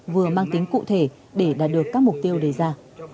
vừa mang tính cụ thể để đạt được các mục tiêu đề ra